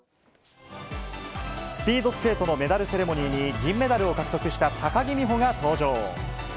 ＪＴスピードスケートのメダルセレモニーに銀メダルを獲得した高木美帆が登場。